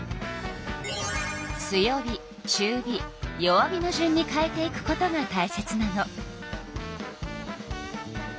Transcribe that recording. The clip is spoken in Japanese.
強火中火弱火の順に変えていくことがたいせつなの。